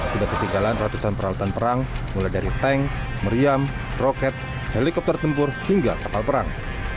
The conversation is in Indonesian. tidak ketinggalan ratusan peralatan perang mulai dari tank meriam roket helikopter tempur hingga kapal perang